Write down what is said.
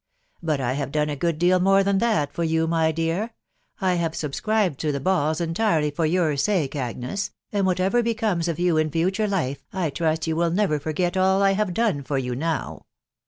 9nt I have done a good deal more than that for yon, my ^ear; I have subscribed to the balls entirely for your sake, Agnes ; and whatever becomes of you in future life, I trust you will never forget all I have done for you now."